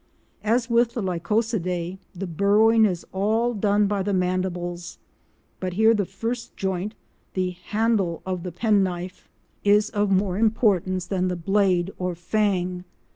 As with the Lycosidae, the burrowing is all done by the mandibles, but here the first joint—the handle of the penknife—is of more importance than the blade or fang.